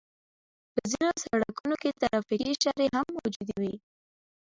په ځينو سړکونو کې ترافيکي اشارې هم موجودې وي.